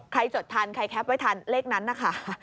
จดทันใครแคปไว้ทันเลขนั้นนะคะ